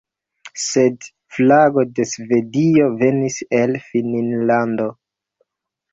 Sed flago de Svedio venis el Finnlando.